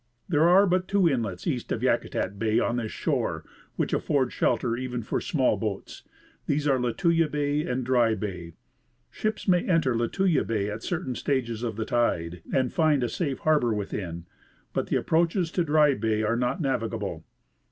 There are but two inlets east of Yakutat bay on this shore which afford shelter even for small boats. These are Lituya bay and Dry bay. Ships may enter Lituya bay, at certain stages of the tide, and find a safe harbor within ; but the approaches to Dry bay are not navigable.